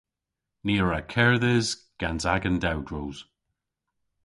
Ni a wra kerdhes gans agan dewdros.